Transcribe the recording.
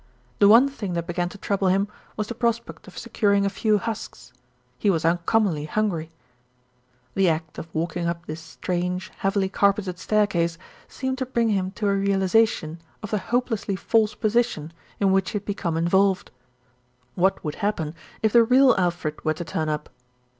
The one thing that began to trouble him was the prospect of securing a few husks. He was uncom monly hungry. The act of walking up this strange, heavily carpeted staircase seemed to bring him to a realisation of the hopelessly false position in which he had become in volved. What would happen if the real Alfred were to turn up?